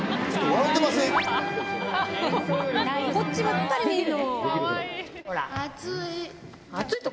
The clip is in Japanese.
こっちばっかり見るの！